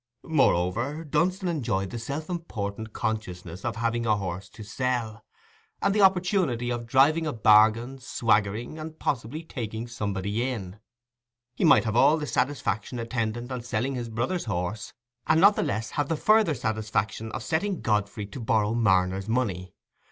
Moreover, Dunstan enjoyed the self important consciousness of having a horse to sell, and the opportunity of driving a bargain, swaggering, and possibly taking somebody in. He might have all the satisfaction attendant on selling his brother's horse, and not the less have the further satisfaction of setting Godfrey to borrow Marner's money.